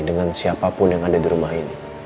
dengan siapapun yang ada di rumah ini